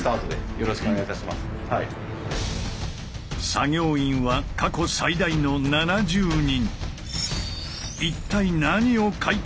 作業員は過去最大の７０人。